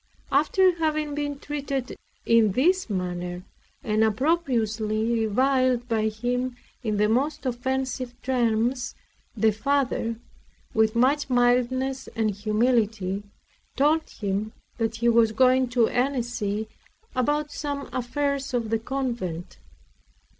After having been treated in this manner, and opprobriously reviled by him in the most offensive terms, the Father, with much mildness and humility, told him that he was going to Annecy about some affairs of the convent.